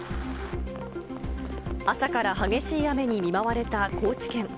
朝から激しい雨に見舞われた高知県。